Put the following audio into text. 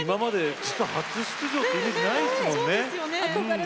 初出場というイメージないですものね。